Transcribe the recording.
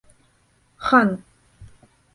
Хан!